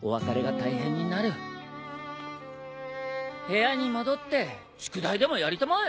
部屋に戻って宿題でもやりたまえ。